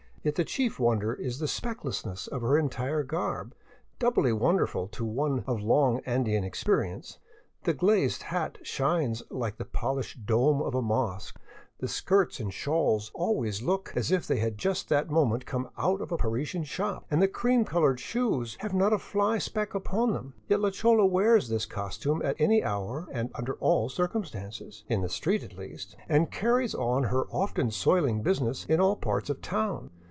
Yet the chief wonder is the specklessness of her entire garb — doubly wonderful to one of long Andean experience. The glazed hat shines like the polished dome of a mosque, the skirts and shawls always look as if they had just that moment come out of a Parisian shop, and the cream colored shoes have not a fly speck upon them; yet la chola wears this costume at any hour and under all circumstances — in the street, at least — and carries on her often soiling business in all parts of town.